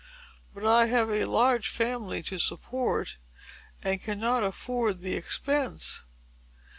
But I have a large family to support, and cannot afford the expense."